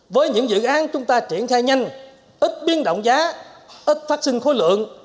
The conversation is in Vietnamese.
với những dự án chúng ta triển khai nhanh ít biến động giá ít phát sinh khối lượng